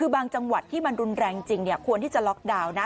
คือบางจังหวัดที่มันรุนแรงจริงควรที่จะล็อกดาวน์นะ